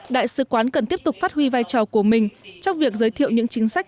đại sứ quán cần tiếp tục phát huy vai trò của mình trong việc giới thiệu những chính sách